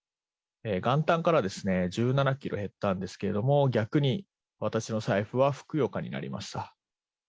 元旦から１７キロ減ったんですけれども、逆に私の財布はふくよかになりました。